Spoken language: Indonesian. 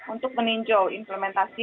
untuk meninjau implementasi